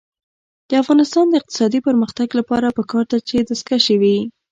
د افغانستان د اقتصادي پرمختګ لپاره پکار ده چې دستکشې وي.